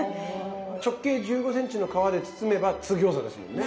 直径１５ｃｍの皮で包めば津ぎょうざですもんね。